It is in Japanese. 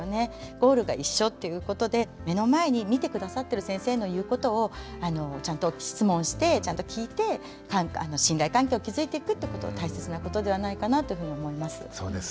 ゴールが一緒っていうことで目の前に診て下さってる先生の言うことをちゃんと質問してちゃんと聞いて信頼関係を築いていくってこと大切なことではないかなというふうに思います。